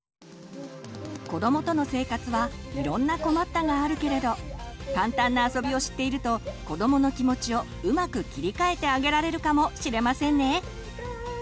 子どもとの生活はいろんな困ったがあるけれど簡単なあそびを知っていると子どもの気持ちをうまく切り替えてあげられるかもしれませんね！